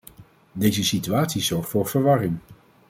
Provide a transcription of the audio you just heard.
Deze situatie zorgt voor verwarring.